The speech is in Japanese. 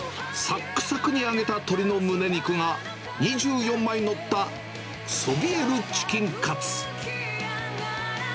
さっくさくに揚げた鶏の胸肉が、２４枚載った、そびえるチキンカツ。